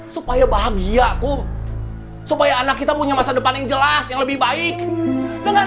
supaya bahagiaku supaya anak kita punya masa depan yang jelas yang lebih baik dengan